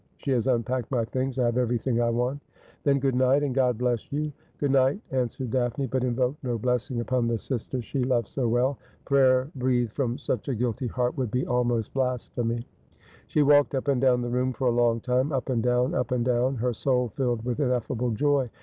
She has unpacked my things. I have everything I want.' ' Then good night, and G od bless you.' ' Good night,' answered Daphne, but invoked no blessing upon the sister she loved so well. Prayer breathed from such a guilty heart would be almost blasphemy. She walked up and down the room for a long time, up and down, up and down, her soul filled with ineffable joy.